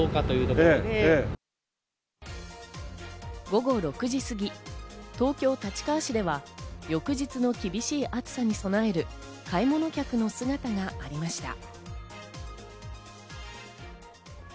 午後６時過ぎ、東京・立川市では翌日の厳しい暑さに備える買い物客の姿がありました。